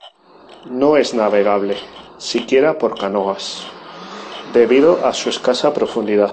No es navegable, siquiera por canoas, debido a su escasa profundidad.